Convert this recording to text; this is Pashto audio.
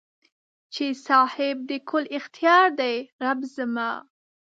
چې صاحب د کل اختیار دې رب زما